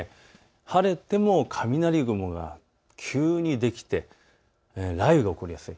晴れても雷雲が急にできて、雷雨が起こりやすい。